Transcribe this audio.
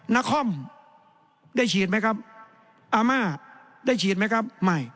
นครได้ฉีดไหมครับอาม่าได้ฉีดไหมครับไม่